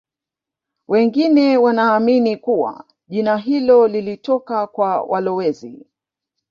Wengine wanaamini kuwa jina hilo lilitoka kwa walowezi